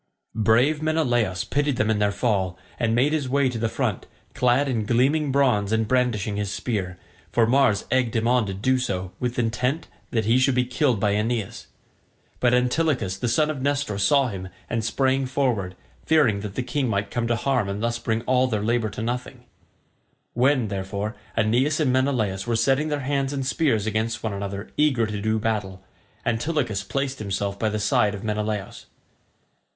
Brave Menelaus pitied them in their fall, and made his way to the front, clad in gleaming bronze and brandishing his spear, for Mars egged him on to do so with intent that he should be killed by Aeneas; but Antilochus the son of Nestor saw him and sprang forward, fearing that the king might come to harm and thus bring all their labour to nothing; when, therefore Aeneas and Menelaus were setting their hands and spears against one another eager to do battle, Antilochus placed himself by the side of Menelaus.